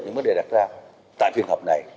những vấn đề đặt ra tại phiên hợp này